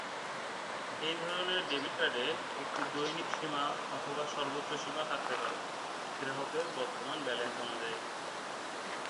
এই ধরনের ডেবিট কার্ডে একটি দৈনিক সীমা অথবা সর্বোচ্চ সীমা থাকতে পারে গ্রাহকের বর্তমান ব্যালেন্স অনুযায়ী।